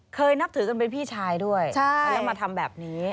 นับถือกันเป็นพี่ชายด้วยแล้วมาทำแบบนี้